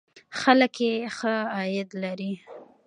خلک یې ښه عاید لري.